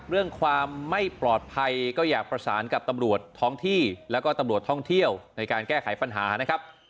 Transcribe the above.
เรื่องความไม่ปลอดภัยก็อยากประสานกับตำรวจท้องที่แล้วก็ตำรวจท่องเที่ยวในการแก้ไขปัญหานะครับ